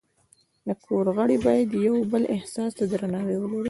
د کور غړي باید د یو بل احساس ته درناوی ولري.